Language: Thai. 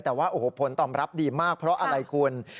แต่ว่าโอ้โหผลตอบรับดีมากเพราะอะไรคุณ